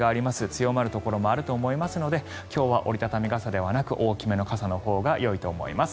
強まるところもあると思いますので今日は折り畳み傘ではなく大きめの傘のほうがよいと思います。